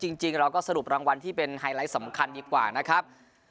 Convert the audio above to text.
จริงเราก็สรุปรางวัลที่เป็นไฮไลท์สำคัญดีกว่านะครับ